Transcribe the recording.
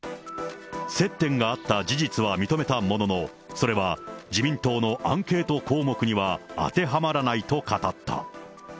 接点があった事実は認めたものの、それは自民党のアンケート項目には当てはまらないと語った。